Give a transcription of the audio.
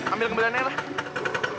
ambil kembaliannya lah